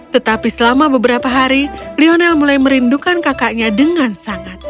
tetapi selama beberapa hari lionel mulai merindukan kakaknya dengan sangat